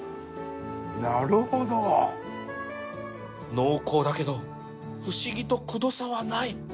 濃厚だけど不思議とくどさはない